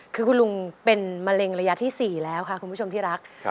คือคุณลุงเป็นมะเร็งระยะที่๔แล้วค่ะคุณผู้ชมที่รัก